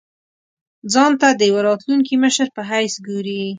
ځان ته د یوه راتلونکي مشر په حیث ګوري.